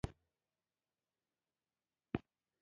سپین کرویات او دمویه صفحات نورې اجزاوې دي.